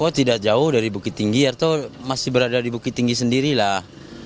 oh tidak jauh dari bukit tinggi atau masih berada di bukit tinggi sendiri lah